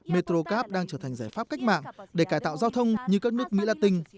metrocap đang trở thành giải pháp cách mạng để cải tạo giao thông như các nước mỹ latin